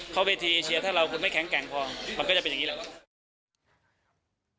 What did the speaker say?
เข้าเวทีเชียร์ถ้าเราคุณไม่แข็งแกร่งพอมันก็จะเป็นอย่างนี้แหละครับ